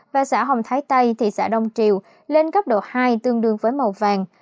và xã hồng thái tây thị xã đông triều lên cấp độ hai tương đương với màu vàng